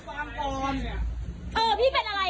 เพื่อให้มีแค่พิษตัวตัวแล้ว